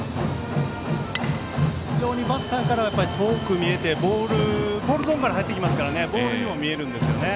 非常にバッターからは遠く見えてボールゾーンから入ってきますからボールにも見えるんですよね。